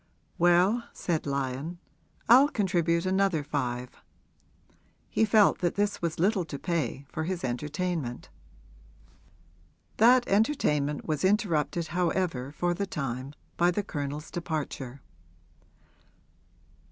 'Well,' said Lyon, 'I'll contribute another five.' He felt that this was little to pay for his entertainment. That entertainment was interrupted however for the time by the Colonel's departure.